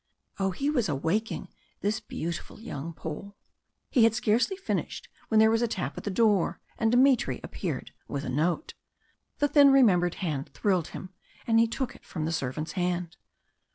Oh! he was awaking! this beautiful young Paul. He had scarcely finished when there was a tap at the door, and Dmitry appeared with a note. The thin, remembered paper thrilled him, and he took it from the servant's hand.